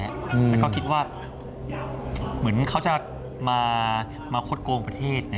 แล้วก็คิดว่าเหมือนเขาจะมาคดโกงประเทศ